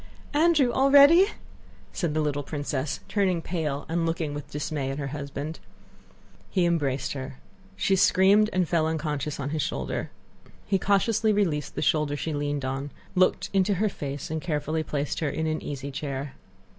"Andrew, already!" said the little princess, turning pale and looking with dismay at her husband. He embraced her. She screamed and fell unconscious on his shoulder. He cautiously released the shoulder she leaned on, looked into her face, and carefully placed her in an easy chair.